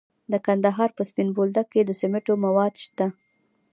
د کندهار په سپین بولدک کې د سمنټو مواد شته.